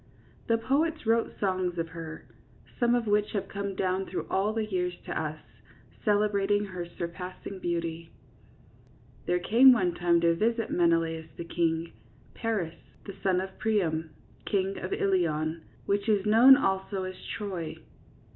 The poets wrote songs of her, some of which have come down through all the years to us, celebrating her surpassing beauty. 10 THE WOODEN HORSE. ' There came one time to visit Menelaus the king, Paris, the son of Priam, king of Ilion, which is known also as Troy.